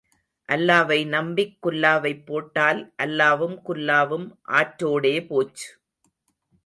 அல்லாவை நம்பிக், குல்லாவைப் போட்டால் அல்லாவும் குல்லாவும் ஆற்றோடே போச்சு.